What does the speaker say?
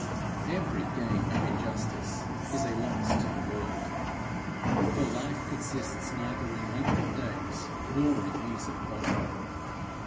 Every gain of injustice is a loss to the world; for life consists neither in length of days nor in ease of body.